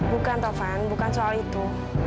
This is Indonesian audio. bukan tovan bukan soal itu